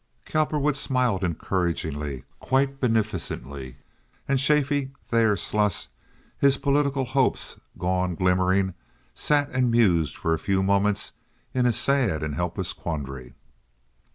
Cowperwood smiled encouragingly, quite beneficently, and Chaffee Thayer Sluss, his political hopes gone glimmering, sat and mused for a few moments in a sad and helpless quandary.